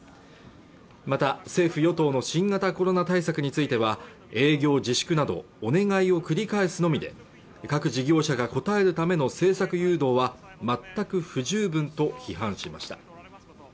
また政府・与党の新型コロナ対策については営業自粛などお願いを繰り返すのみで各事業者が応えるための政策誘導は全く不十分と批判しました